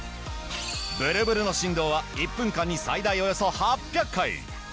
ブルブルの振動は１分間に最大およそ８００回！